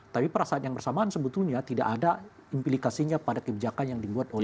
tapi pada saat yang bersamaan sebetulnya tidak ada implikasinya pada kebijakan yang dibuat oleh